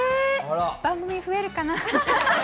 番組増えるかな？